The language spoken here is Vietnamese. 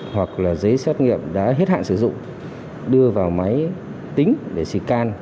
hoặc là giấy xét nghiệm đã hết hạn sử dụng đưa vào máy tính để scan